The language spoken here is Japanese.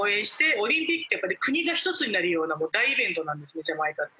オリンピックってやっぱり国が１つになるような大イベントなんですねジャマイカって。